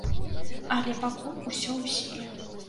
Але пакуль усё ў сіле.